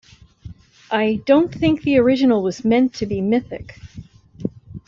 I don't think the original was meant to be mythic...